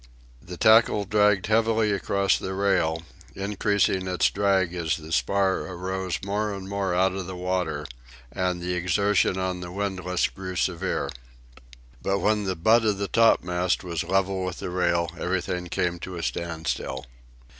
The tackle dragged heavily across the rail, increasing its drag as the spar arose more and more out of the water, and the exertion on the windlass grew severe. But when the butt of the topmast was level with the rail, everything came to a standstill.